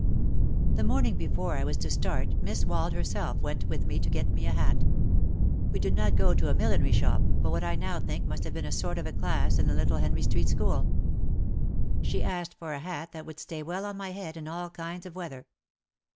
' The morning before I was to start Miss Wald herself went with me to get me a hat. We did not go to a mil linery shop but what I now think must have been a sort of a class in the little Henry Street School. She asked for a hat that would stay well on my head in all kinds of weather.